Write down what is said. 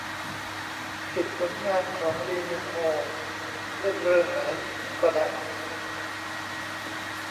สิบ ผลงานของ ลีมินโฮ เล่นเรื่องไหนก็ดัง